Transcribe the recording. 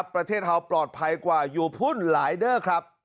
ประเทศไทยปลอดภัยกว่ายูพุ่นหลายเดอร์ครับ